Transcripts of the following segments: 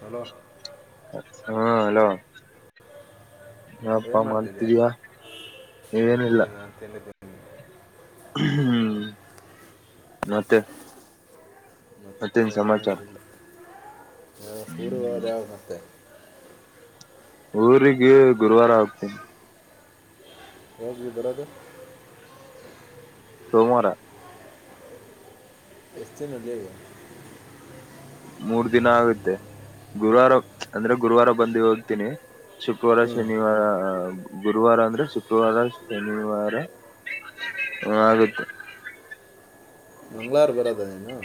Hello ಹಾ hello. ಹಪ್ಪಾ ಏನು ಮಾಡ್ತಿದ್ಯಾ ಮಾಡ್ತಿದಯ ಗೊತ್ತಿ ಏನಿಲ್ಲ ನಾನು ತಿಂದಿದ್ದೀನಿ ಹ್ಮ್ ಮತ್ತೆ. ಮತ್ತೆ ಮತ್ತೇನ್ ಸಮಾಚಾರ. ಊರಿಗೆ ಹ್ಮ್ ಹೋಗೋದು ಯಾವಾಗ ಮತ್ತೆ. ಊರಿಗೆ ಗುರುವಾರ ಹೋಗ್ತೀನಿ. ಹೋಗಿ ಬರದು. ಸೋಮವಾರ. ಎಷ್ಟು ದಿನ ರಜ ಈಗ. ಮೂರ್ ದಿನ ಆಗುತ್ತೆ ಗುರುವಾರ ಅಂದ್ರೆ ಗುರುವಾರ ಬಂದು ಹೋಗ್ತೀನಿ ಶುಕ್ರವಾರ ಹ್ಞೂ ಶನಿವಾರ ಗುರುವಾರ ಅಂದ್ರೆ ಶುಕ್ರವಾರ ಶನಿವಾರ ಆಗುತ್ತೆ ಮಂಗ್ಗಳಾರು ಬರೋದ ನೀೇನು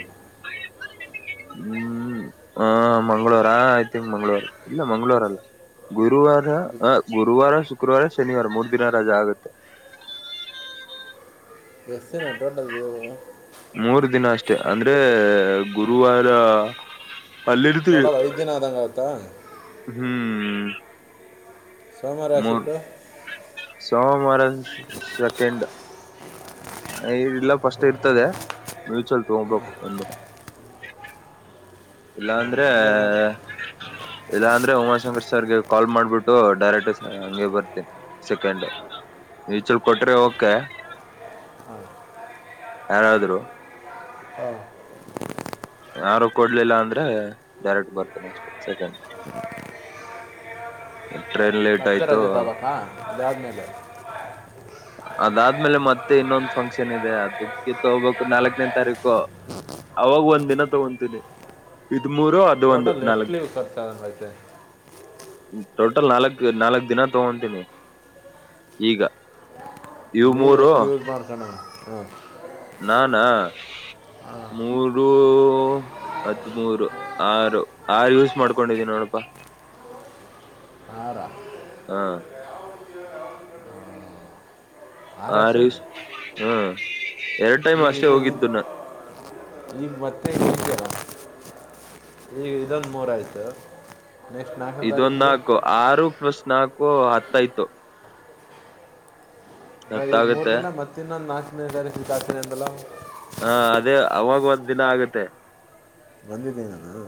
ಹ್ಮ್ ಆ ಮಂ್ಗಳವಾರ ಆಯ್ತ ಮಂ್ಗಳವಾರ ಇಲ್ಲ ಮಂಗಳವಾರ ಅಲ್ಲ ಗುರುವಾರ ಬು- ಗುರುವಾರ ಶುಕ್ರವಾರ ಶನಿವಾರ ಮೂರ್ ದಿನ ರಜಾ ಆಗುತ್ತೆ ಎಷ್ಟು ದಿನ ಟೋಟಲ್ ಮೂರ್ ದಿನ ಅಷ್ಟೆ ಅಂದ್ರೆ ಗುರುವಾರ ಅಲ್ಲರಿತಿ ಟೋಟಲ್ ಐದು ದಿನ ಆದಂಗೆ ಆಗುತ್ತಾ ಹ್ಮ್ ಹ್ಮ್ ಸೋಮಾರ ಆಾಸಿಟ್ಟ. ಸೋಮವಾರ ಸೆಕೆಂಡ್ ಇಲ್ಲ ಫಸ್ಟ್ ಇರ್ತದೆ ಮೂಚಲ್ ತಗೋಬೇಕು ಒಬ. ಇಲ್ಲ ಹಾಂ ಅಂದ್ರೆ. ಆಮೇಲೆ ಮತ್ತೆ ಇಲ್ಲಾ ಅಂದ್ರೆ ಉಮಾಶಂಕರ್ ಸರ್ಗೆ ಕಾಲ್ ಮಾಡ್ಬಿಟ್ಟು. ಡೈರೆಕ್ಟ್ ಸರ್ ಹಂಗೆ ಬರ್ತೀನಿ ಸೆಕೆಂಡ ಈಚಲ್ ಕೊಟ್ರೆ ಓಕೆ., - ಯಾರಾದ್ರು, - ಹಾಂ ಯಾರು ಕೊಡ್ಲಿಲ್ಲ ಅಂದ್ರೆ ಡೈರೆಕ್ಟ್ ಬರ್ತನೆ ಅಷ್ಟೆ, ಸೆಕೆಂಡ್- ಟ್ರೈನ್ ಲೇಟ್ ಮತ್ತೆ ಆಯ್ತು ರಜೆ ತಗಬೇಕಾ ಅದ ಆದ್ಮೇಲೆ. - ಅದಾದ್ಮೇಲೆ ಮತ್ತೆ ಇನ್ನೊಂದು ಫಂಕ್ಷನ್ ಇದೆ. ಅದಕ್ಕೆ ತಗೋಬೇಕು ನಾಲ್ಕನೇ ತಾರೀಕು ಅವಾಗ ಒಂದ್ ದಿನ ತಗೊಂತೀನಿ. ಮೂರು ಅದು ಒಂದು ಟೋಟಲ್ ನಾಲ್ಕ ಎಷ್ಟ್ಟ ಲೀವ್ ಖರ್ಚಹಾದಂಗೈತೆ. ಟೋಟಲ್ ನಾಲ್ಕ್, ನಾಲ್ಕ್ ದಿನ ತಗೊಂತೀನಿ ಈಗ. ಇವ್ ಲೀವ [unintelligible] ಮೂರು ಎಷ್ಟಟಜ ಮಾರ್ಕ ಹ ನಾನಾ ಮೂರು ಹದ್ಮೂರು ಆರು ಆರು ಯೂಸ್ ಮಾಡ್ಕೊಂಡಿದ್ದೀನಿ ನೋಡಪಾ. ಆರ ಹಾ. ಆರು ಅಷ್ಟೇನಾ ಆರಿಷ ಹ್ಮ್. ಎರಡ್ ಟೈಮ್ ಈಗ ಅಷ್ಟೇ ಇದು ಈ ಹೋಗಿದ್ದು ನಾ ಈಗ ಮತ್ತೆ- ಈಗ ಇದೊಂದು ಬೋರಾಯ್ತು. ಇದೊಂದು ನಾಲ್ಕು, ಆರು ಪ್ಲಸ್ ನಾಲ್ಕು- ಓ, ಆರತಾಯ್ತು. ಬ ಈಗ ಮೂರ್ ದಿನ ಮತ್ತೆ ಇನ್ನೊಂದುನಾಕ, - ನ ಸ ಸತಾತ ಅಲ್ಲ [inaudible] ಹಾ, ಅದೇ ಅವಾಗ ಒಂದ್ ದಿನ ಆಗತ್ತೆ. ಬಂದಿದ್ದೀನಿ ನಾನು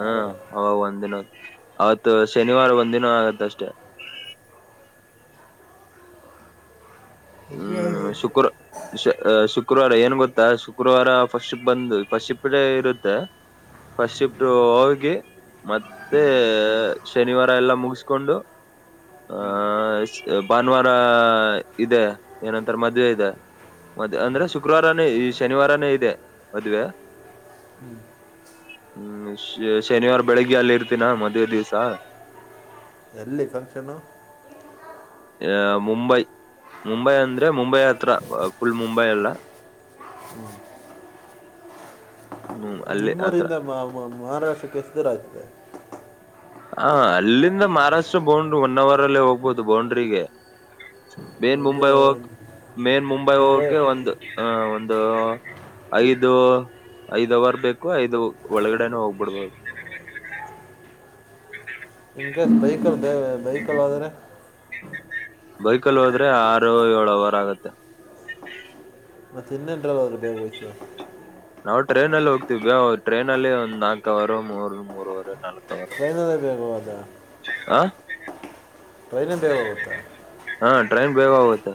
ಹಾ, ಬರು. ಹ ಒಂದಿನ- ಅವತ್ ಶನಿವಾರ ಒಂದಿನ ಆಗತ್ತಷ್ಟೆ. ಹ್ಮ್, ಶುಕ್ರ - ಶುಕ್ರವಾರ ಏನ್ ಗೊತ್ತಾ ಶುಕ್ರವಾರ ಫಸ್ಟಶಿಷ್ಟೇ ಬಂದು ಫಸ್ಟ್ ಶಿಫ್ಟೇ ಇರುತ್ತೆ. ಫಸ್ಟ್ ಶಿಫ್ಟ್ ಹೋಗಿ ಮತ್ತೆ ಶನಿವಾರ ಎಲ್ಲ ಮುಗಿಸಕೊಂಡು. - ಆಹ ಭಾನುವಾರ ಇದೆ ಏನಂತರ ಮದ್ವೆ ಇದೆ ಮದ್ ಅಂದ್ರೆ ಶುಕ್ರವಾರನೇ ಈ ಶನಿವಾರನೇ ಇದೆ. ಮದ್ವೆ ಹ್ಮ್, ಶನಿವಾರ ಬೆಳಿಗ್ಗೆ ಅಲ್ಲಿ ಇರ್ತೀನ ಮದ್ವೆ ದಿವ್ಸ. ಎಲ್ಲಿ ಫಂಕ್ಷನು. - ಅ ಮುಂಬೈ, ಮುಂಬೈ ಅಂದ್ರೆ ಮುಂಬೈ ಅತ್ರ ಫುಲ್ ಮುಂಬೈ ಅಲ್ಲ. ಹ್ಮ್ ಅಲ್ಲಿ ಹತ್ರ ನಿಮ್ಮೂರಿಂದ ಮಹಾರಾಷ್ಟ್ರಕ್ಕೆ ಎಷ್ಟದೂರಹಾಗತ್ತೆ. ಹ ಅಲ್ಲಿಂದ ಮಹಾರಾಷ್ಟ್ರ ಬೌಂಡ್ರಿ ಒನ್ ಅವರ್ ಅಲ್ಲೇ ಹೋಗ್ಬಹದು ಬೌಂಡ್ರಿಗೆ. - ಮೇನ್ ಇದು ಮುಂಬೈ ಹೋಗಕ್ಕೆ, ಮೇನ್ ಮುಂಬೈ ಹೋಗಕ ಒಂದು ಅ- ಒಂದು ಐದು, ಐದ್ ಅವರ್ ಬೇಕು ಐದು ಒಳಗಡೆನ ಹೋಗ್ಬಿಡ್ಬೋದು. ಇನ್ ಕೇಸ್ ಬೈಕಲ್ಲಿ ದವೆ ಬೈಕಲ್ಲಿ ಹೋದರೆ., ಬೈಕಲ್ಲಿ ಹೋದ್ರೆ ಆರು ಏಳು ಅವರ್ ಆಗತ್ತೆ. ಮತ್ತೆ ಇನ್ನೆಂಟ್ರಲ್ಲಿಾದ್ರರು ಬೇಗ ವಯ್ತ [unintelligible] ಅವ ಟ್ರೈನಿನಲ್ಲಿ ಹೋಗ್ತೀವಿ. ಟ್ರೈನ ಅಲ್ಲಿ ಒಂದು ನಾಲ್ಕ ಅವರ ಮೂರು ಮೂರ ವರೆ ನಾಲ್ಕು, - ೈನದೇ ಬ ಅದ ಆ [unintelligible] ಟ್ರೈನ್ ಬೇಋ ಹೋಗತ., ಹಾ, ಟ್ರೈನ್ ಬೇಗಹೋಗತ.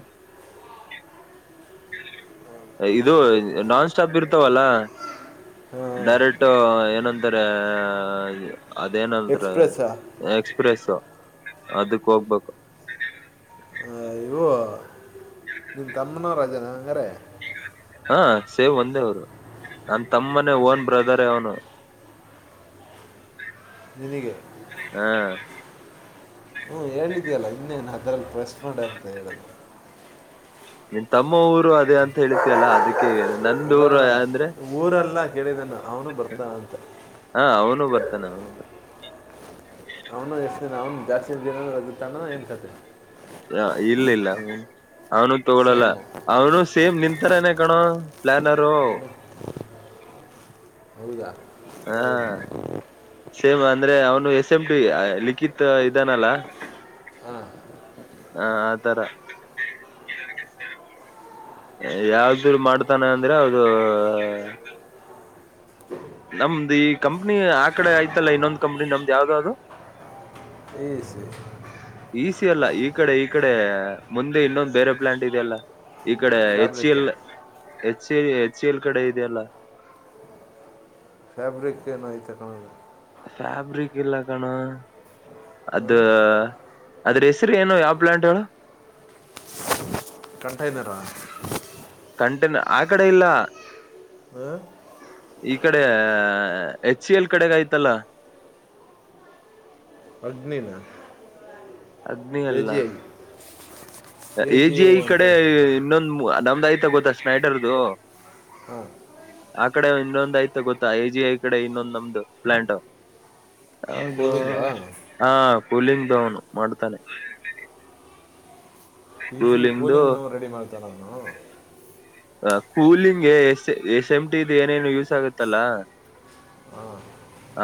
ಇದು ನಾನ್ ಸ್ಟಾಪ್ ಇರ್ತವಲ್ಲ ಹಾಂ ಡೈರೆಕ್ಟ್ ಏನಂತಾರೆ., ಅದೇನಲ್ರ ಎಕ್ಸ್ಪ್ರೆಸ್ಸಾ ಎಕ್ಸ್ಪ್ರೆಸ್, - ಅದಕ್ ಹೋಗ್ಬೇಕು ನಿನ್ ತಮ್ಮನ ರಜನಾ ಅಂಗಾರ ಹಾ ಸೇವ್ ಒಂದೇ ಅವ್ರು ನನ್ ತಮ್ಮನೆ ಓನ್ ಬ್ರದರ್ ಅವನು. ನಿನ್ಗೆ ಹ ಹುಂ ಹೇಳಿದ್ಯಲ್ಲ ಇನ್ನೇನು ಅದ್ರಲ್ಲಿ ಪ್ರೆಸ್ಟ್ ಮಾಡಿ ಹಾಕ್ತಾಯಿರೋದು. ನಿನ್ ತಮ್ಮ ಊರು ಅದೇ ಅಂತ ಹೇಳತಿಿಯಲ್ಲಾ ಅದಕ್ಕೆ. ನಂದೂರಂದ್ರೆ [unintelligible] ದನ್ನು ಹಾ, ಅವನು ಬರ್ತಾನೆ- ಅವನು ಬರ್ತಾನ. ಅವನು ಎಷ್ಟು ದಿನ ಅವ್ನು ಜಾಸ್ತಿ ದಿನ ರಜ ತಂಡನ ಏನ್ ಕತ್ತೆ. ಹ ಇಲ್ಲ ಇಲ್ಲ ಹ ಅವನು ತಗೊಳಲ್ಲ ಸೇಮು ಅವನು ಸೇಮ್ ನಿಂತರನೇ. ಣ ಪ್ಲಾನರು. ಏನು ಹೌದಾ ಹಾ ಪರವಾಗಿಲ್ಲ ಸೇಮ್ ಅಂದ್ರೆ ಅವನು ಎಸ್ ಎಂ್ ಟಿ ಲಿಖತ್ ಇದಾನಲ್ಲ ಹಾಂ ಆ ಆತರ ಯಾವ್ದ ಮಾಡ್ತಾನೆ ಅಂದ್ರೆ ಅದು ನಮ್ದ್ ಈ ಕಂಪ್ನಿ ಆ ಕಡೆ ಆಯ್ತಲ್ಲ ಇನ್ನೊಂದ್ ಕಂಪ್ನಿ ನಮ್ದ್ ಯಾವ್ದ ಯಾವ್ದದು ಈ ಸಿ ಈಸ ಅಲ್ಲ ಈ ಕಡೆ ಈ ಕಡೆ ಮುಂದೆ ಇನ್ನೊಂದು್ ಬೇರೆ ಪ್ಲಾಂಟ್ ಇದೆಯಲ್ಲ ಇ ಕಡೆ ಹೆಚ್ ಸಿ ಫ್ಯಾಬ್ರಿಕ್ ಎಲ್ ಹೆಚ್ಚ ಹೆಚ್ ಎಲ್ ಕಡೆ ಇದೆಯಲ್ಲ ಫೇಬ್ರಿಕ್ ಏನೋ ಐತೆ ನೋಡು. ಫ್ಯಾಬ್ರಿಕ್ ಇಲ್ಲ ಕಣ ಅದ ಹಾಂ ಅದ್ರ ಹೆಸರು ಏನು ಯಾವ ಪ್ಲಾಂಟ್ ಹೇಳು ಕಂಟೈನರಾ ಕಂಟ್ ಅಕಡೆ ಇಲ್ಲ ಹ ಈ ಕಡೆ ಎಚ್ ಸಿ ಎಲ್ ಕಡೆಗ ಆಯ್ತಲ್ಲ. ಅಗ್ನಿಿನ. ಅಗ್ನಿ ಅಲ್ಲ ಎ ಜಿ ಎಜಿ ಐ ಅಂತ ಕಡೆ ಇನ್ನು ೊ್ ನಮ್ದು ಆಯ್ತ ಗೊತ್ತಾ ಸ್ನೈಟರ್ದು ಹಾಂ ಆ ಕಡೆ ಇನ್ನೊಂದ್ ಆಯ್ತ ಗೊತ್ತಾ ಜಿ ಐ ಕಡೆ ಇನ್ನೊಂದ್ ನಮ್ದು ಪ್ಲಾಂಟ್ ಹೌದು ಕೂಲಿಂಗಾ ಹ ಕುಲಿಂಗ್ದೋನು ಮಾಡ್ತಾನೆ. ಈ ಸಿ ಕೂಲಿಂಗ್ದು ಕೋಲಿಂಗ್ ನ ರೆಡಿ ಮಾಡ್ತನಾ ಅವ್ನು ಹ ಕೂಲಿಂಗ್ಗೆ ಎಸ್ ಎಸ್ ಎಂ ಟಿಿದ ಏನೇನು ಯೂಸ್ ಆಗತ್ತಲ್ಲ ಹಾಂ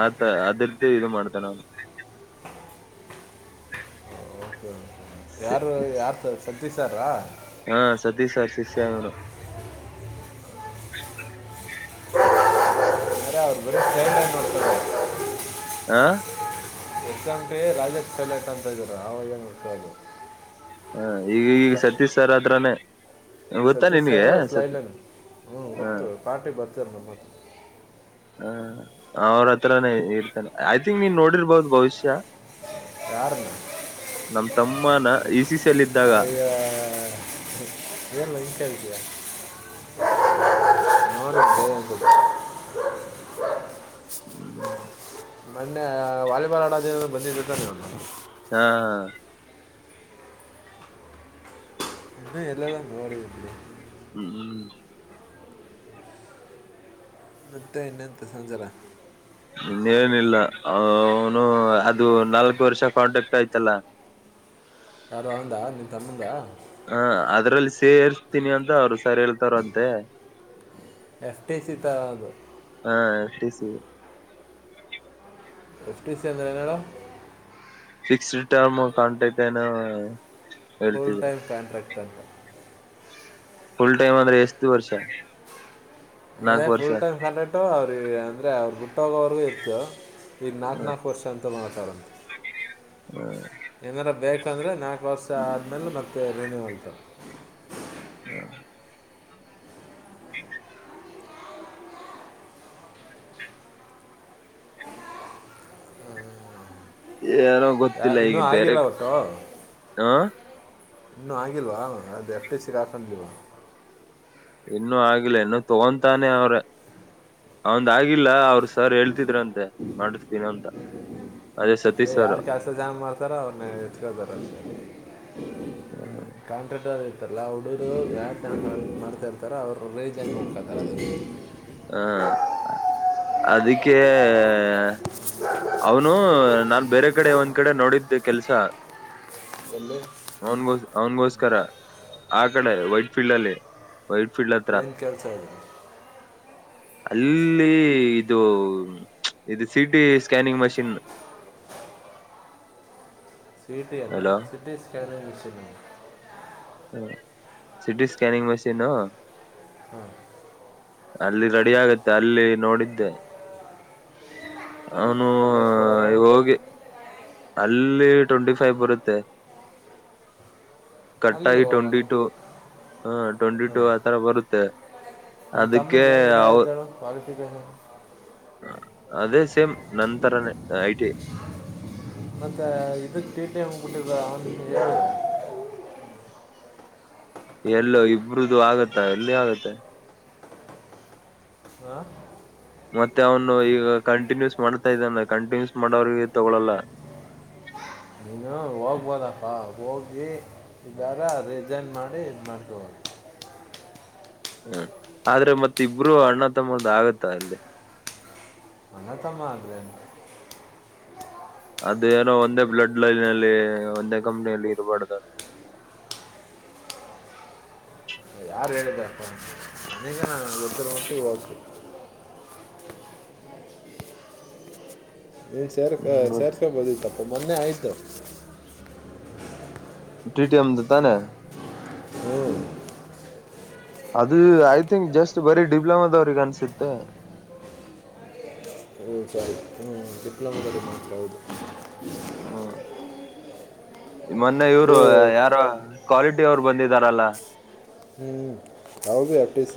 ಆತ ಅದ್ರದ್ದ ಇದು ಮಾಡ್ತನ ಅವ್ನು ಓಕೆ ಓಕೆ. ಯಾರು ಯಾರ್ ತ್ ಸಾಧ್ಯ ಸಾರಾ ಹಾ ಸತೀಶ್ ಸರ್ ಶಿಷ್ಯ ನೋಡು. ಅ್ರ ಅವ್ರು ಬರೋ ಪ್ರೇರಣೆ ಮಾಡೋ್ತಾರೆ ಆ. ಎಕ್ಸಂಟಿ ರಾಜಕ್ ಪೈಲಟ್ ಅಂತ ಇದರು ಅವಾಗ ದು. ಹ ಈಗ ಈಗ ಸತೀಶ್ ಸರ್ ಅ್ರನೆ. ಸತೀಶ್ ಸಾರ ಸ್ಲೈಲನ್ ಹ್ಞೂ ಹ ಗತ್ತು ಪಾರ್ಟಿ ಬರ್ತೀಾರೆ ನಮ್ಮ ಹತ್ರ. ಹ ಅವ್ರ ಹತ್ರಾನೇ ಇರ್ತಾನ ಐ ತಿಂಕ್ ನೀನ್ ನೋಡಿರ್ಬಹದು ಭವಿಷ್ಯ. ಯಾರನ್ನ ನಮ ತಮ್ಮನ ಈ. ಅಯ ಎಏಲ್ಲ. ನೋಡು [unintelligible] ಮೊನ್ನೆ ವಾಲಿಬಾಲ್ ಆಡೋದ ಬಂದಿದತ್ತನೇ ಅವ್ನು ಹಾ ಹಾ. ಇನ್ನು ಎಲ್ಲಲ್ಲಾ ಮಡ. ಹ್ಮ್ ಹ್ಮ್. ಮತ್ತೆ ಇನ್ನಂತ ಸಂಚಾರ. ಇನ್ನೇಏನಿಲ್ಲ ಅವ ಅವನು ಅದು ನಾಲ್ಕು ವರ್ಷ ಕಾಂಟ್ರಾಕ್ಟ್ ಆಯ್ತಲ್ಲ. ಯಾರು ಅಂದ ನಿನ್ ತಮ್ಮಂದ. ಹಾ ಅದ್ರಲ್ಲಿ ಸೇರ್ಸ್ತೀನಿ ಅಂತ ಅವ್ರು ಸರಿ ಹೇಳ್ತಾರ ಅಂತೆ. ಎಫ್್ಟಿ ಸ ತರದು. ಿಸಿ. ಎಫ್ಟ ಸಿ ಅಂದ್ರನಡ. ಫಿಕ್ಸ್ಡ್ ಟರ್ಮ್ ಕಂಟ್ನ. Full time contract. ವರ್ತಂತ. ಫುಲ್ ಟೈಮ್ ಅಂದ್ರೆ ಎಷ್ಟು ವರ್ಷ. ನಾಲ್ಕು ವರ್ಷ ನಫುಲ್ಟ್ಟು. ಅವ ಅಂದ್ರೆ ಅವ್ರ ಗುಟ್ಟೋಗೋವರ್ಗೂ ಇತ್ತು. ಇ ನಾಕ ನಲ್ಕು ವಷ ಅಂತ ಮಾಡ. ಹ. ಹ್ಮ. ಏನಾರ ಬೇಕಂದ್ರೆ ನಾಲ್ಕು ವರ್ಷ ಆದ್ಮೇಲೆ ಮತ್ತೆ ರಿನ್ಯೂ ಅಂಟಾವ. ಹ್ಮ. ಯಏಾರೋ ಯಾ ಗೊತ್ತಿಲ್ಲ ಇನ್ನೂ ಈಗ ಬೇರೆ ಆಗಿಲ್ಲ ಹ. ಇನ್ನುೂ ಆಗಿಲ್ವಾ ಅದು ಎಫ ಎ ಸಿರಾಕೊಂಡಿಲ್ವಾ. ಇನ್ನುೂ ಆಗಿಲ್ಲ ಇನ್ನು ತಗೊಂತಾನೆ ಅವ್ರ ಅವಂದ ಆಗಿಲ್ಲ ಅವ್ರ ಸರ್ ಹೇಳ್ತಿದ್ರಂತೆ ಮಾಡಿಸತೀನ ಅಂತ ಅದೇ ಸ. ಯಾರ್ ಕೆಲ್ಸ ಜಾಮ ಮಾಡ್ತಾರ ಅವ್ರನ್ನ ಎತ್ಕೊಳ್ತಾರ. ಹ ಕಾಂಟ್ರಾಕ್ಟ. ಮ ಎಲ್ಲ ಹುಡುರು ಗ್ಯಾ ಮಾಡ್ತಾ ಇರ್ತಾರೆ ಅವರು ರೀಜನ್ ಮಾಡ್ಕೊತಾರೆ ಅದನ್ನ. ಹಾ ಅದಕ್ಕೆೇ. ಅವನು ನಾನ್ ಬೇರೆ ಕಡೆ ಒಂದ್ ಕಡೆ ನೋಡಿದ್ದೆ ಕೆಲ್ಸ ಎಲ್ಲಿ ಅವನ್ಗೋಸ್ ಅವನ್ಗೋಸ್ಕರ ಆ ಕಡೆ ವೈಟ್ ಫೀಲ್ಡ್ ಅಲ್ಲಿ ವೈಟ್. ಫೀಲ್ಡ್ ಹತ್ರ ಏನು ಕೆಲಸ ಇದೆ? ಅಲ್ಲಿ ಇದು ಇದು ಸಿಟಿ ಸ್ಕ್ಯನಿಂಗ್ ಮಷೀನ್ ಪ ಟಿ ಅಲ್ಲ ಸಿ ಟಿ ಸ್ಕಾನಿಂಗ್ ಮಿಷೀನ್ ಹ ಸಿಟಿ ಸ್ಕ್ಯನಿಂಗ್ ಮಷೀನ್ ಹ ಹ್ಮ ಅಲ್ಲಿ ರೆಡಿ ಆಗತ್ತೆ ಅಲ್ಲಿ ನೋಡಿದ್ದೆ, ಹ ನ ಅಲ್ಲೇ ಕೊಡೋರು ಈ ಹೋಗಿ ಅಲ್ಲಿ ಟ್ವೆಂಟಿ ಫೈವ್ ಬರುತ್ತೆ. ಅಲ್ಲಿಗೆ ಕಟ್ಟಾಯಿ ಹೋಗೋಣ ಟ್ವೆಂಟಿ ಟು. ಹಾ ಟ್ವೆಂಟಿ ಟು ಆ ತರ ಬರುತ್ತೆ. ನಿನ್ ಅದಕ್ಕೆ ತಮ್ಮಂದ ಏನ್ ಅವ ಇದಾಯತಳ ಕ್ವಾಲಿಫಿಕೇಶನ್ ಅದೇ ಸೇಮ್ ನಂತರ ಐಟಿ ಮತ್ತೆ ಇದಕ್ ಟ ಟಿ ಹೋಗ್ಬಿಟ್ಟಿದ ಏನು? ಇಲ್ಲೆ ಇಬ್ರದು ಆಗತ್ತಾ ಎಲ್ಲಿ ಆಗತ್ತೆ? ಹಾಂ ಮತ್ತೆ ಅವನು ಈಗ ಕಂಟಿನ್ಯೂಸ್ ಮಾಡ್ತಾ ಇದಾನ ಕಂಟಿನ್ಯೂಸ್ ಮಾಡೋವ್ರಿಗೆ ತಗೊಳಲ್ಲ. ಹಬೋದಪ್ಪ, ಹೋಗಿ ಇದಾರ ರಿಸೈನ್ ಮಾಡಿ ಇದು ಮಾಡ್ಕೊಬೋದು. ಹ್ಮ ಆದ್ರೆ ಮತ್ ಇಬ್ರು ಅಣ್ಣ ತಮ್ಮದ ಆಗತ್ತ ಅಲ್ಲಿ ಅಣ್ಣತಮ್ಮ ಅಂದ್ರೇನು? ಅದ ಏನೋ ಒಂದೇ ಬ್ಲಡ್ ಲೈನ್ ಅಲ್ಲಿ ಒಂದೇ ಕಂಪ್ನಿಯಲ್ಲಿ ಇರಬಾರ್ದ ಅಂತ ಹೇಳ ಯಾರು ಹೇಳಿದ್ದಾರೆ ಫೋನ್ ನನಗ ನಾನು ಗೊತ್ತಿರ ಮಟ್ಟಿಗೆ ಹೋಗಿ ನೀನ್ ಸೇರ್ಕ ಸೇರ್ಕಬೋದಿ ತಪ್ಪ ಮೊನ್ನೆ ಆಯ್ತು? ಟಿಟಿ ಅವನ್ದು ತಾನೇ ಹ್ಮ್ ಅದು ಐ ತಿಂಕ್ ಜಸ್ಟ್ ಬರೀ ಡಿಪ್ಲೊಮದವ್ರಿಗೆ ಅನ್ಸುತ್ತೆ. ಡಿಪ್ಲೊಮಾದದಲ್ಲಿ ಮಾತ್ರ ಹೌದು. ಹ್ಮ ಮೊನ್ನೆ ಇವ್ರು ಏ ಯಾರು? ಕ್ವಾಲಿಟಿ ಅವ್ರು ಬಂದಿದಾರಲ್ಲ ಪ್ರಕ್ಟಿಸ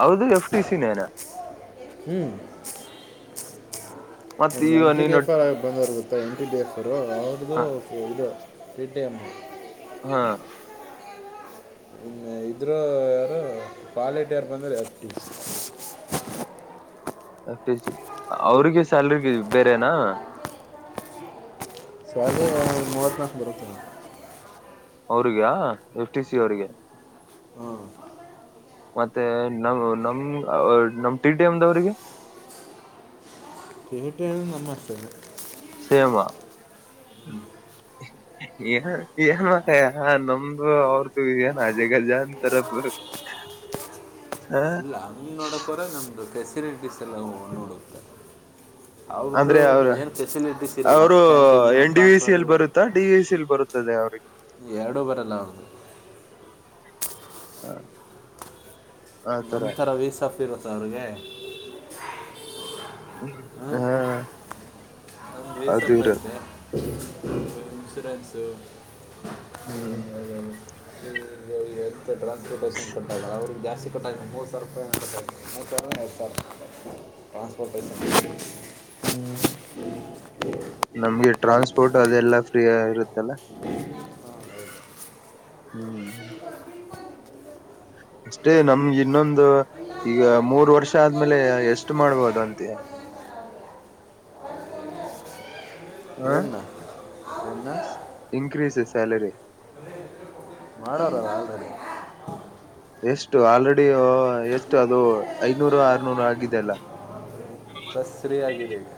ಹೌದು ಎಫ್ ಟ ಸಿ ನೇನ ಹ್ಮ್ ಮತ್ತ ಒಂದು ಈ ಎನ್ ಟಿ ಡಿ ನೀನು ಎಫ್ ಆರ್ ಆಗಿ ಬಂದವರು ಗೊತ್ತಾ N T D F R ಅವ್ರದ್ದು ಇದು. ಟ್ಟಮ್ಮ ಹಾ ಇನ್ನು ಇದ್ರ ಯಾರು ಪಾಲಿಟ ಯಾರ ಬಂದ್ರ ಎ ಅವ್ರಿಗೆ ಸ್ಯಾಲ್ರಿ ಬೇರೆನಾ ಸೊ ಹಾಗೇ ಮೂವತ್ತುನಾಲ್ಕು ಬರುತ್ತೆ. ಅವ್ರಿಗೆ ಎಫ್ಟಿ ಸಿ ಅವ್ರಿಗೆ ಹಾಂ ಮತ್ತೆ ನ್ ನಮ ನಮ ಟಿ ಟಿ ಎಮ್ದವರಿಗೆ [unintelligible] ಸೇಮಾ [unintelligible] ಹ್ಮ [unintelligible] ನಮ್ದು ಅವ್ರದು ಏನ್ ಆಜಗಜಾ ಅಂತರ ಹ ಅಂಗ್ ನೋಡೋಕೋದ್ರೆ ನಮ್ಮ್ದದು ಫೆಸಿಲಿಟೀಸ್ ಎಲ್ಲ ನೋಡುತ್ತೆ [unintelligible] ಅವ್ರದ್ದು ಅಂದ್ರೆ ಅವ್ರ ಏನು ಫೆಸಿಲಿಟೀಸ್ ಇರಲ್ಲ ಅವರು canteen N D V C transfer L ಎರ್ ಬರುತ್ತಾ ಡಿ ವಿ ಸಿ ಎಲ್ ಬರುತ್ತದೆ ಅವ್ರಿಗೆ ಎರಡೂ ಬರಲ್ಲ ಅವ್ರದು ಆತರ ನಮ್ಮ ತರ ವೀಸ್ಫ [unintelligible] ಇರು ಸರ್ಗೆ [unintelligible] ಹಾ ವೇ ಅದು ಸಪ್ಪೆ ಇರ ಐತೆ. ಮೊಸರನ್ಸ ಹ್ಮ [inaudible] ಹ್ಮ್ ನಮ್ಗೆ ಟ್ರಾನ್ಸ್ಪೋರ್ಟ್ ಅದೆಲ್ಲಾ ಫ್ರೀಯ ಇರುತ್ತಲ್ಲ ಹ್ಮ್ [unintelligible] ಅಷ್ಟೇ ನಮ್ಗೆ ಇನ್ನೊಂದು ಈಗ ಮೂರ್ ವರ್ಷ ಆದ್ಮೇಲೆ ಎಷ್ಟು ಮಾಡ್ಬೋದ ಅಂತೆ ಹಾ ಏನ ಏನ ಇಂಕ್ರೀಸ್ ಸ್ಯಾಲರಿ ಮಾಡೋರಲ್ಲ ಆಲ್ರೆಡಿ ಎಷ್ಟು ಆಲ್ರೆಡಿ ಎಷ್ಟು ಅದು ಐನೂರು ಆರ್ನೂರು ಆಗಿದೆ ಅಲ್ಲ ಸರಿಯಾಗಿದೆ ಈಗ